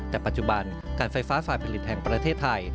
แต่ปัจจุบันการไฟฟ้าฝ่ายผลิตแห่งประเทศไทย